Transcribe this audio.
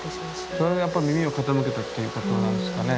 それにやっぱり耳を傾けたっていうことなんですかね。